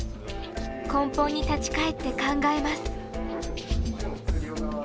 根本に立ち返って考えます。